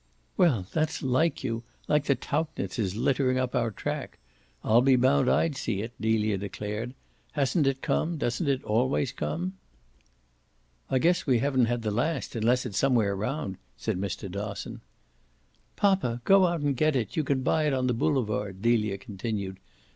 "Well, that's LIKE you like the Tauchnitzes littering up our track. I'll be bound I'd see it," Delia declared. "Hasn't it come, doesn't it always come?" "I guess we haven't had the last unless it's somewhere round," said Mr. Dosson. "Poppa, go out and get it you can buy it on the boulevard!" Delia continued.